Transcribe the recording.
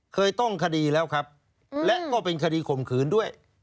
เคยต้องคดีแล้วครับและก็เป็นคดีข่มขืนด้วย